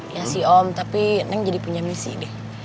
ya si om tapi neng jadi punya misi deh